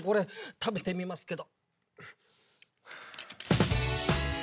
食べてみますけど。